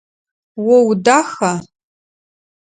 О удаха?